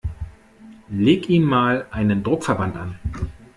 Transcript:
Leg ihm mal einen Druckverband an!